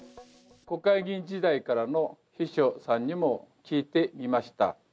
国会議員時代からの秘書さんにも聞いてみました。